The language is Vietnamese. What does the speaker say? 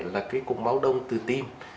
là cái cục máu đông từ tim